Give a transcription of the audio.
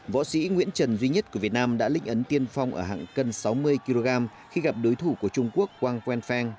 võ sĩ nguyễn trần duy nhất của việt nam đã linh ấn tiên phong ở hạng cân sáu mươi kg khi gặp đối thủ của trung quốc quang quen feng